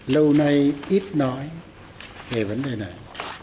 lâu nay ít nói về vấn đề này